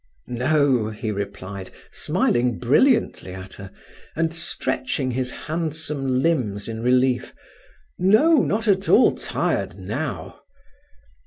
"No," he replied, smiling brilliantly at her, and stretching his handsome limbs in relief—"no, not at all tired now."